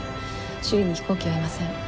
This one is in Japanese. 周囲に飛行機はいません。